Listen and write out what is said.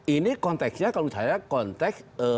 ini konteksnya kalau menurut saya konteks